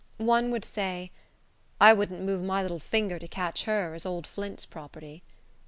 One would say, "I wouldn't move my little finger to catch her, as old Flint's property."